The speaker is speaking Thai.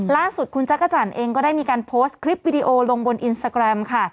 ล่าสุดคุณจักรจันทร์เองก็ได้มีการโพสต์คลิปวิดีโอลงบนอินสตาแกรมค่ะ